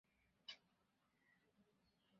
সঙ্গে আছেন স্ত্রী, সন্তান ও শ্বশুর।